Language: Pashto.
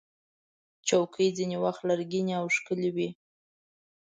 چوکۍ ځینې وخت لرګینې او ښکلې وي.